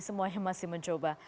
semuanya masih mencoba